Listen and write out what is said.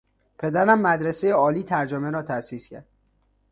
پدرم مدرسهی عالی ترجمه را تاسیس کرد.